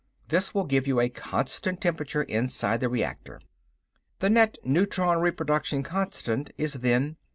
This will give you a constant temperature inside the reactor. The net neutron reproduction constant is then 1.